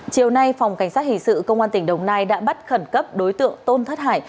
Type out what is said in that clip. chiều nay phòng cảnh sát hình sự công an tỉnh đồng nai đã bắt khẩn cấp đối tượng tôn thất hải